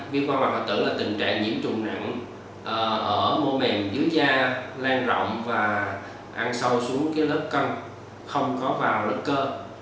viêm cân mạc hoại tử là tình trạng nhiễm trùng nặng ở mô mềm dưới da lan rộng và ăn sâu xuống lớp cân không có vào lực cơ